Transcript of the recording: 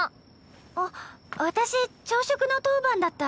あっ私朝食の当番だった。